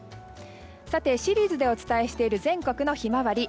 さて、シリーズでお伝えしている全国のヒマワリ。